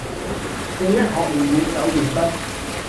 這一學年沒有完畢，